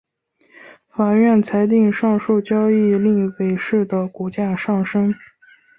法院裁定上述交易令伟仕的股价上升。